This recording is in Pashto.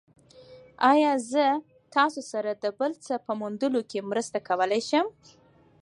ایا زه تاسو سره د بل څه په موندلو کې مرسته کولی شم؟